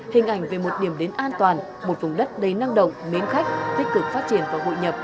hình ảnh về một điểm đến an toàn một vùng đất đầy năng động mến khách tích cực phát triển và hội nhập